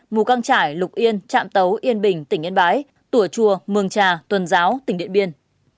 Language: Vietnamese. mù căng trải lục yên trạm tấu yên bình tỉnh yên bái tùa chùa mường trà tuần giáo tỉnh điện biên